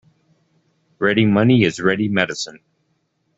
Ready money is ready medicine.